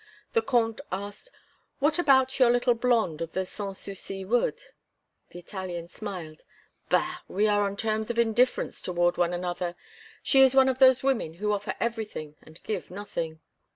The Comte asked: "What about your little blonde of the Sans Souci wood?" The Italian smiled: "Bah! we are on terms of indifference toward one another. She is one of those women who offer everything and give nothing."